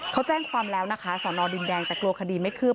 เขาแจ้งความแล้วนะคะสอนอดินแดงแต่กลัวคดีไม่คืบ